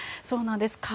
そうなんです。